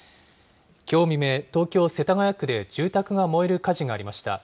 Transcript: きょう未明、東京・世田谷区で住宅が燃える火事がありました。